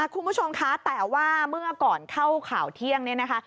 คุณผู้ชมคะแต่ว่าเมื่อก่อนเข้าข่าวเที่ยงเนี่ยนะคะ